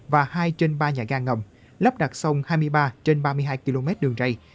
và hai trên ba nhà ga ngầm lắp đặt sông hai mươi ba trên ba mươi hai km đường rây